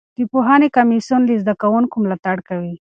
د پوهنې کمیسیون له زده کوونکو ملاتړ کوي.